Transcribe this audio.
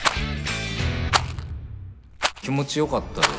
気持ちよかったですね